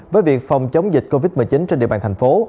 với việc phòng chống dịch covid một mươi chín trên địa bàn thành phố